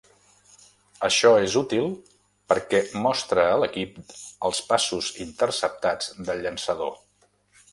Això és útil perquè mostra a l'equip els passos interceptats del llançador.